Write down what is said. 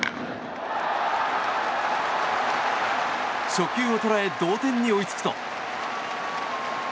初球を捉え同点に追いつくと。